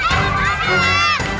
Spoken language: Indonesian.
secara kece ideal